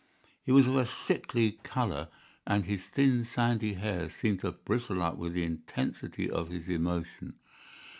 He was of a sickly colour, and his thin, sandy hair seemed to bristle up with the intensity of his emotion.